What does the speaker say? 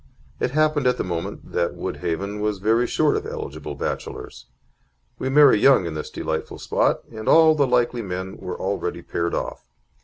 It happened at the moment that Woodhaven was very short of eligible bachelors. We marry young in this delightful spot, and all the likely men were already paired off.